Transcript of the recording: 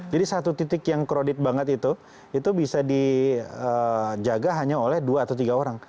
jadi satu titik yang krodit banget itu itu bisa dijaga hanya oleh dua atau tiga orang